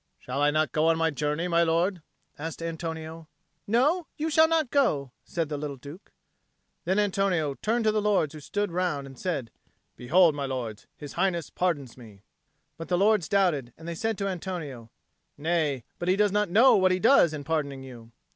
"Shall I not go on my journey, my lord?" asked Antonio. "No, you shall not go," said the little Duke. Then Antonio turned to the lords who stood round and said, "Behold, my lords, His Highness pardons me." But the lords doubted; and they said to Antonio, "Nay, but he does not know what he does in pardoning you."